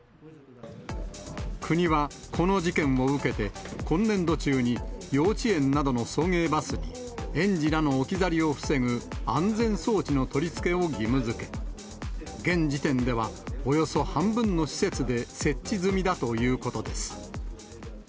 国はこの事件を受けて、今年度中に、幼稚園などの送迎バスに、園児らの置き去りを防ぐ安全装置の取り付けを義務づけ、現時点ではおよそ半分の施設で設置済みだということです。